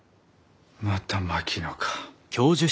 また槙野か。